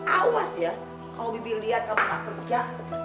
awas ya kalau bibi lihat kamu gak kerja